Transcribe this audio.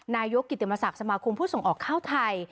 นายกกิติมศักดิ์สมาคมผู้ส่งออกข้าวไทย